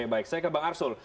baik saya ke bang arsul